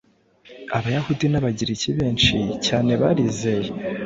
Abayahudi n’abagiriki benshi cyane bizeye.”